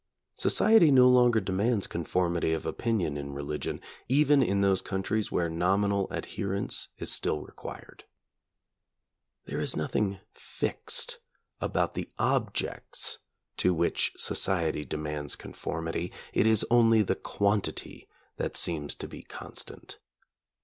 Society no longer demands conformity of opinion in religion, even in those countries where nominal adherence is still required. There is nothing fixed about the objects to which society demands conformity. It is only the quantity that seems to be constant.